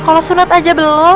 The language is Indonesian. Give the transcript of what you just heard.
kalau sunat aja belum